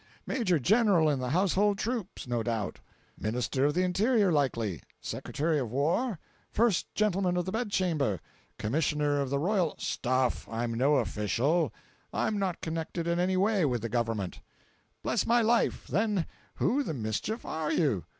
"Major General in the household troops, no doubt? Minister of the Interior, likely? Secretary of war? First Gentleman of the Bed chamber? Commissioner of the Royal"— "Stuff! I'm no official. I'm not connected in any way with the Government." "Bless my life! Then, who the mischief are you?